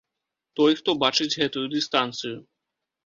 Той, хто бачыць гэтую дыстанцыю.